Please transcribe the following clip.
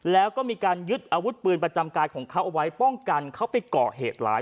แล้วก็มีการยึดอาวุธปืนประจำกายของเขาเอาไว้ป้องกันเขาไปก่อเหตุร้าย